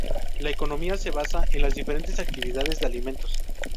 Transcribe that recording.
La economía se basa en las diferentes actividades de alimentos.